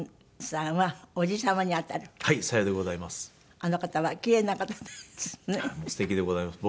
あの方は奇麗な方ですね。